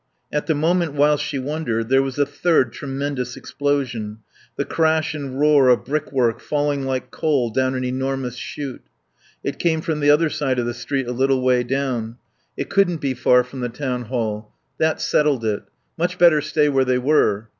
At the moment while she wondered there was a third tremendous explosion, the crash and roar of brickwork falling like coal down an enormous chute. It came from the other side of the street a little way down. It couldn't be far from the Town Hall. That settled it. Much better stay where they were.